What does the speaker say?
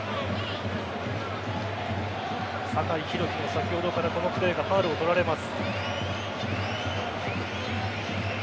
酒井宏樹も先ほどからこのプレーがファウルを取られます。